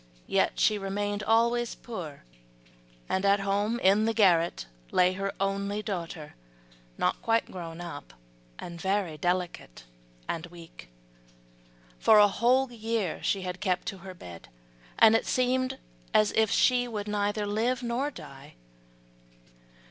Yet she remained always poor, and at home in the garret lay her only daughter, not quite grown up, and very delicate and weak. For a whole year she had kept her bed, and it seemed as if she could neither live nor die.